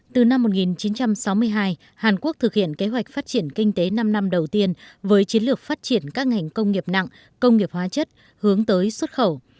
từ năm một nghìn chín trăm sáu mươi hai hàn quốc thực hiện kế hoạch phát triển kinh tế năm năm đầu tiên với chiến lược phát triển các ngành công nghiệp nặng công nghiệp hóa chất hướng tới xuất khẩu